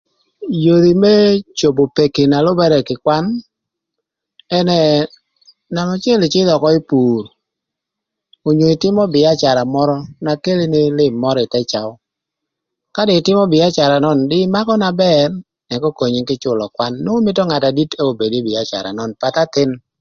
Yodhi më cobo peki na lübërë kï kwan, ënë, nama acël ïcïdhö ökö ï pur, onyo ïtïmö bïacara mörö na kelo nini lïm mörö ï thë caü. Ka dong ïtïmö bïacara nön, dong ïmakö na bër ëk okonyi kï cülö kwan nwongo mïtö ngat na dit ënë obed ï bïacara nön pathï athïn.